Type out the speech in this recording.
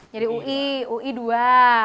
jadi ui ui dua